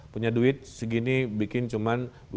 punya duit segini bikin cuma